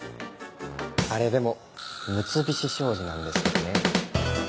あれでも六菱商事なんですけどね。